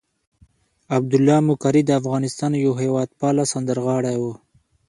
عبدالله مقری د افغانستان یو هېواد پاله سندرغاړی وو.